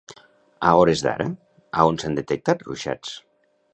A hores d'ara, a on s'han detectat ruixats?